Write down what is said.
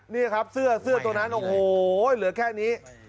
นี่แหละครับเสื้อตัวนั้นโอ้โฮเหลือแค่นี้